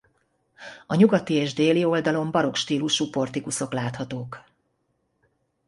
A nyugati és déli oldalon barokk stílusú portikuszok láthatók.